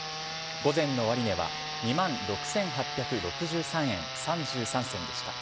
午前の終値は、２万６８６３円３３銭でした。